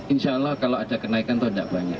insya allah kalau ada kenaikan atau tidak banyak